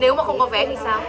nếu mà không có vé thì sao